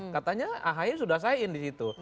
katanya ahaye sudah sayin disitu